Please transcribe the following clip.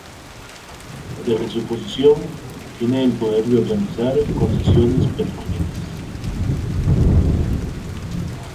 Desde su posición, tiene el poder de organizar concesiones petroleras.